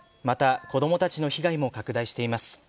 また、子供たちの被害も拡大しています。